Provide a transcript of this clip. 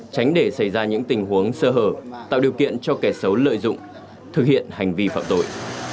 tránh để xảy ra những tình huống sơ hở tạo điều kiện cho kẻ xấu lợi dụng thực hiện hành vi phạm tội